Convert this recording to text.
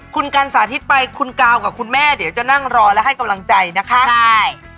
คุณกันสาธิตไปคุณกาวกับคุณแม่เดี๋ยวจะนั่งรอและให้กำลังใจนะคะใช่